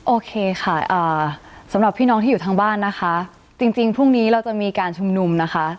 โอเคค่ะสำหรับพี่น้องที่อยู่ทางบ้านนะคะจริงพรุ่งนี้เราจะมีการชุมนุมนะคะ